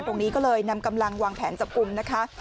ตรงนี้ก็เลยนำกำลังวางแผนจับกลุ่มนะคะ